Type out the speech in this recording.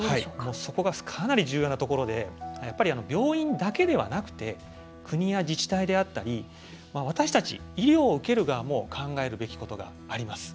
そこがかなり重要なところでやっぱり病院だけではなくて国や自治体など私たち医療を受ける側も考えることもあります。